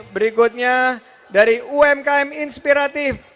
berikutnya dari umkm inspiratif